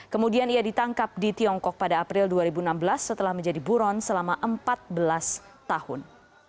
kemudian ia ditangkap di tiongkok pada april dua ribu enam belas setelah menjadi buron selama empat belas tahun